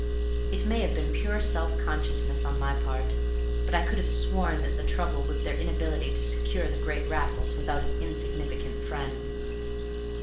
It may have been pure self consciousness on my part, but I could have sworn that the trouble was their inability to secure the great Raffles without his insignificant friend.